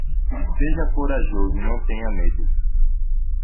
Seja corajoso e não tenha medo.